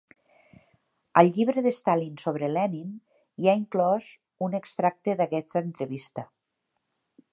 Al llibre de Stalin sobre Lenin hi ha inclòs un extracte d'aquesta entrevista.